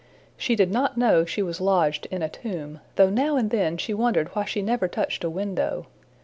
She did not know she was lodged in a tomb, though now and then she wondered why she never touched a window.